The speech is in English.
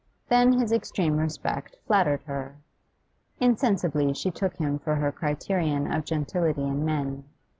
Then his extreme respect flattered her; insensibly she took him for her criterion of gentility in men.